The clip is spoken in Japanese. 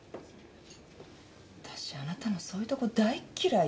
わたしあなたのそういうとこ大嫌いよ。